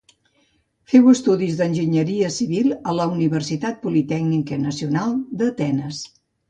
Féu estudis d'enginyeria civil a la Universitat Politècnica Nacional d'Atenes.